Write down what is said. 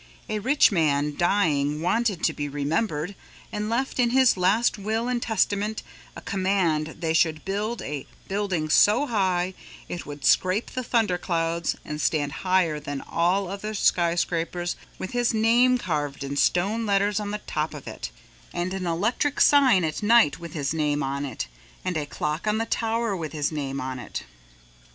A rich man dying wanted to be remembered and left in his last will and testament a command they should build a building so high it would scrape the thunder clouds and stand higher than all other skyscrapers with his name carved in stone letters on the top of it, and an electric sign at night with his name on it, and a clock on the tower with his name on it.